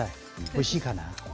おいしいかな。